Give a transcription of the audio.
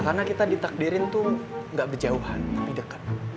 karena kita ditakdirin tuh gak berjauhan tapi deket